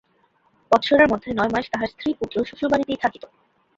বৎসরের মধ্যে নয় মাস তাঁহার স্ত্রী-পুত্র শ্বশুরবাড়িতেই থাকিত।